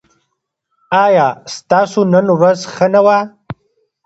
ایا ستاسو نن ورځ ښه نه وه؟